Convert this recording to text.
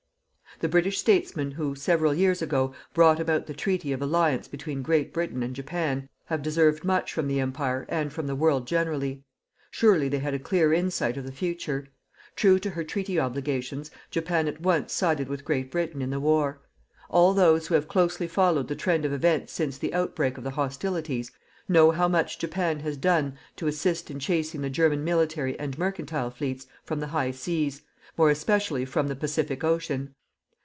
The British statesmen who, several years ago, brought about the treaty of alliance between Great Britain and Japan have deserved much from the Empire and from the world generally. Surely they had a clear insight of the future. True to her treaty obligations Japan at once sided with Great Britain in the war. All those who have closely followed the trend of events since the outbreak of the hostilities, know how much Japan has done to assist in chasing the German military and mercantile fleets from the high seas, more especially from the Pacific ocean.